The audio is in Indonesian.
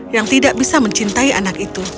yang tidak bisa mencintai anak itu